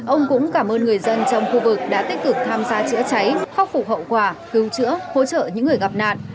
ông cũng cảm ơn người dân trong khu vực đã tích cực tham gia chữa cháy khắc phục hậu quả cứu chữa hỗ trợ những người gặp nạn